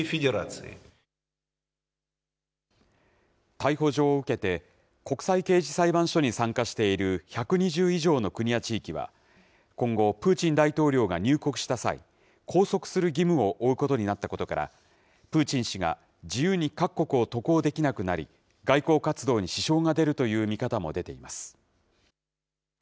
逮捕状を受けて、国際刑事裁判所に参加している１２０以上の国や地域は、今後、プーチン大統領が入国した際、拘束する義務を負うことになったことから、プーチン氏が自由に各国を渡航できなくなり、外交活動に支障が出るという見方も出ています。